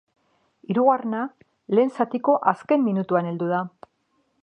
Hirugarrena lehen zatiko azken minutuan heldu da.